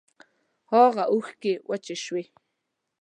هاغه اوښکی وچې شوې